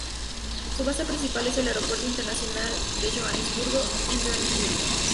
Su base principal es el Aeropuerto Internacional de Johannesburgo, en Johannesburgo.